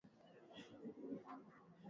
viongozi wa imf kwamba kupandisha kwa dhamani